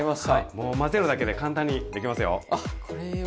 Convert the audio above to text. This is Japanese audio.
もう混ぜるだけで簡単にできますよ。